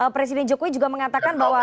presiden jokowi juga mengatakan bahwa